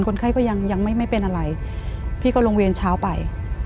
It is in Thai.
คนไข้ก็ยังไม่เป็นอะไรพี่ก็ลงเวรเช้าไป